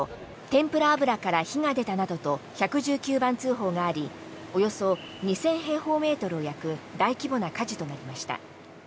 天ぷら油から火が出たなどと１１９番通報がありおよそ２０００平方メートルを焼く大規模な火事となりました。